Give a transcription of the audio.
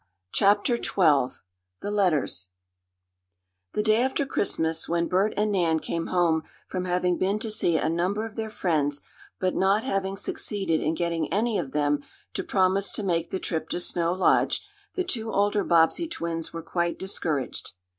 CHAPTER XII THE LETTERS The day after Christmas, when Bert and Nan came home from having been to see a number of their friends, but not having succeeded in getting any of them to promise to make the trip to Snow Lodge, the two older Bobbsey twins were quite discouraged.